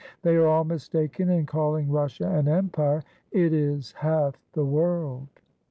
"They are all mistaken in calling Russia 'an empire'; it is half the world."